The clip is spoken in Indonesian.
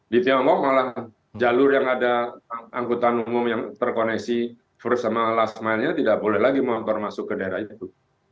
di tiongkok malah jalur yang ada angkutan umum yang terkoneksi first sama last mile nya tidak boleh lagi motor masuk ke daerah itu